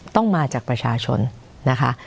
ต้องมาจากประชาชนนะคะ